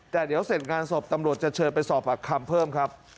แต่เดี๋ยวเสร็จงานศพตำรวจจะเชิญไปสอบปากคำเพิ่มครับ